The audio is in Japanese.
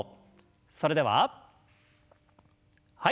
それでははい。